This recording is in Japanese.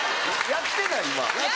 やってない！